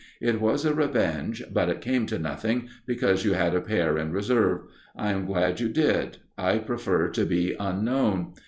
It was a revenge, but it came to nothing, because you had a pair in reserve. I am glad you had. I prefer to be Unknown.